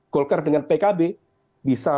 golkar dengan pkb bisa